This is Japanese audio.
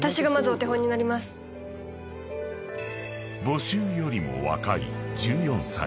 ［募集よりも若い１４歳］